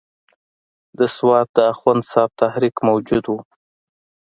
د سوات د اخوند صاحب تحریک موجود وو.